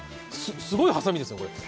すごいはさみです。